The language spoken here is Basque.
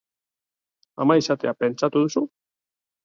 Ama izatea pentsatu duzu?